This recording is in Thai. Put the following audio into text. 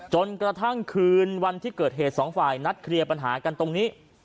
จนกระทั่งคืนวันที่เกิดเหตุสองฝ่ายนัดเคลียร์ปัญหากันตรงนี้